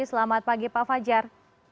selamat pagi pak fajar